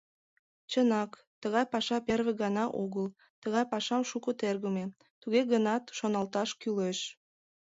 Чынак, тыгай паша первый гана огыл, тыгай пашам шуко тергыме, туге гынат шоналташ кӱлеш.